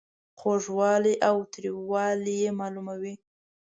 خوږوالی او تریووالی یې معلوموي.